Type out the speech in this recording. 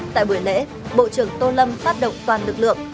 tại buổi lễ bộ trưởng tô lâm phát động toàn lực lượng